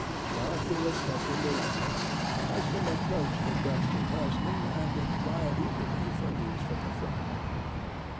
While she was fetching the water her husband approached the dusty horseman and inquired eagerly for news from the front.